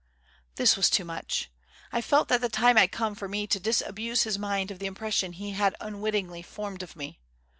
This was too much; I felt that the time had come for me to disabuse his mind of the impression he had unwittingly formed of me.